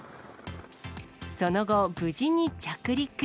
その後、無事に着陸。